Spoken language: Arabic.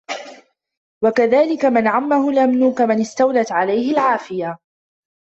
وَكَذَلِكَ مَنْ عَمَّهُ الْأَمْنُ كَمَنْ اسْتَوْلَتْ عَلَيْهِ الْعَافِيَةُ